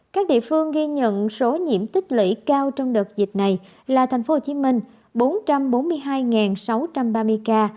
các địa phương ghi nhận số nhiễm tích lĩ cao trong đợt dịch này là thành phố hồ chí minh bốn trăm bốn mươi hai sáu trăm ba mươi ca